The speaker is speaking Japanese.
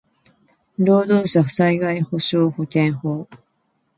労働者災害補償保険法